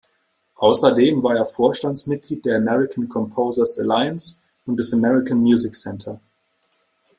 Außerdem war er Vorstandsmitglied der American Composers Alliance und des American Music Centre.